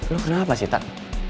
lu kenapa sih tat